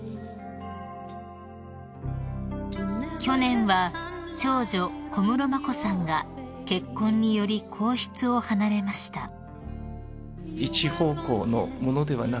［去年は長女小室眞子さんが結婚により皇室を離れました］